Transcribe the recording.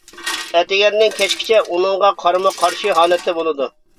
ئەتىگەندىن كەچكىچە ئۇنىڭغا قارىمۇ قارشى ھالەتتە بولىدۇ.